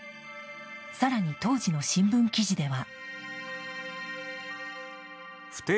更に、当時の新聞記事では。